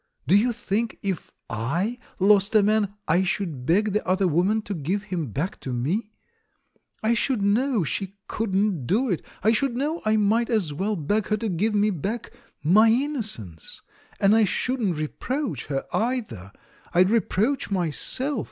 Do you think, if I lost a man, I should beg the other woman to give him back to me? I should know she couldn't do it ; I should know I might as well beg her to give me back — my innocence. And I shouldn't reproach her, either! I'd re proach myself!